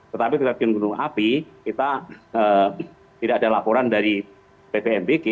tetapi terhadap gunung api kita tidak ada laporan dari ppnpg